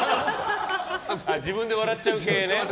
自分で笑っちゃう系ね。